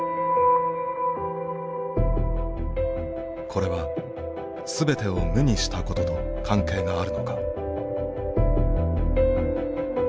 これは全てを無にしたことと関係があるのか。